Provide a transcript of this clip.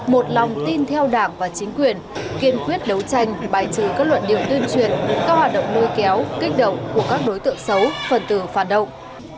một lòng tin theo đảng và chính quyền kiên quyết đấu tranh bài trừ các luận điều tuyên truyền các hoạt động nuôi kéo kích động của các đối tượng xấu phần từ phản động